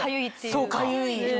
そうかゆい。